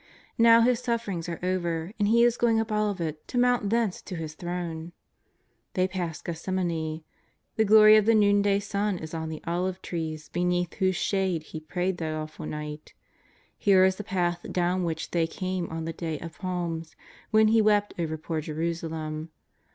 [N'ow His sufferings are over, and He is going up Olivet to mount thence to His Throne. They pass Gethsemane. The glory of the noonday sun is on the olive trees beneath whose shade He prayed that awful night. Here is the path down which they came on the day of palms when He wept over poor Jerusalem.